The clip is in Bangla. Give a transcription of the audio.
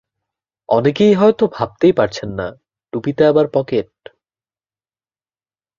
অনেকে হয়তো ভাবতেই পারছেন না, টুপিতে আবার পকেট।